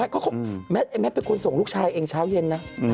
แมทเป็นคนส่งลูกชายเองเช้าเย็นนะ